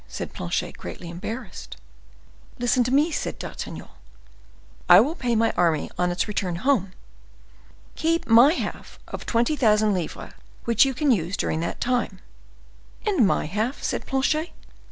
said Planchet, greatly embarrassed. "Listen to me," said D'Artagnan. "I will pay my army on its return home. Keep my half of twenty thousand livres, which you can use during that time." "And my half?" said Planchet.